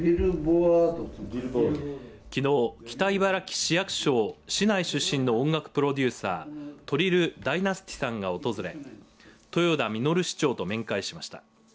きのう、北茨城市役所を市内出身の音楽プロデューサーＴＲＩＬＬＤＹＮＡＳＴＹさんが訪れ豊田市長と面会しました。